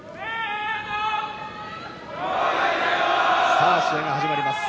さあ、試合が始まります。